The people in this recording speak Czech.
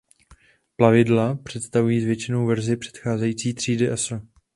Plavidla představují zvětšenou verzi předcházející třídy "Aso".